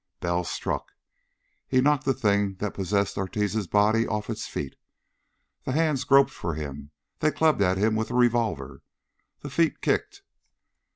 Bell struck. He knocked the Thing that possessed Ortiz's body off its feet. The hands groped for him. They clubbed at him with the revolver. The feet kicked....